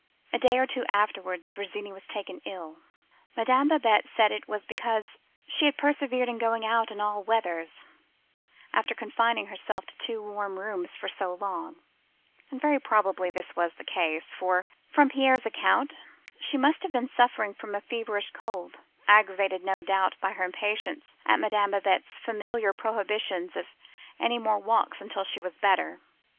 "A day or two afterwards, Virginie was taken ill. Madame Babette said it was because she had persevered in going out in all weathers, after confining herself to two warm rooms for so long; and very probably this was really the cause, for, from Pierre's account, she must have been suffering from a feverish cold, aggravated, no doubt, by her impatience at Madame Babette's familiar prohibitions of any more walks until she was better.